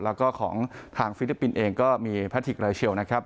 แล้วก็ของทางฟิลิปปินส์เองก็มีแพทิกรายเชียวนะครับ